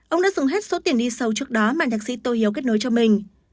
ông đã dùng hết số tiền đi sâu trước đó mà nhạc sĩ tô hiếu kết nối cho mình